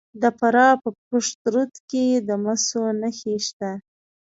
د فراه په پشت رود کې د مسو نښې شته.